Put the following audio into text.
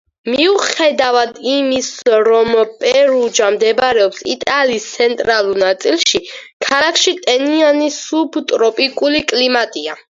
მიუხედავად იმის, რომ პერუჯა მდებარეობს იტალიის ცენტრალურ ნაწილში, ქალაქში ტენიანი სუბტროპიკული კლიმატია.